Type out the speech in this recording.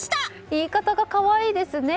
言い方が可愛いですね。